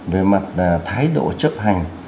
về mặt thái độ chấp hành